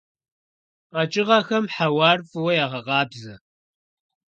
КъэкӀыгъэхэм хьэуар фӀыуэ ягъэкъабзэ.